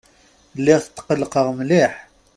Lliɣ tqelqeɣ mliḥ.